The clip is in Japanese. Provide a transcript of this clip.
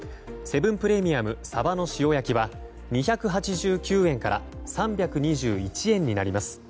セブンプレミアムさばの塩焼は２８９円から３２１円になります。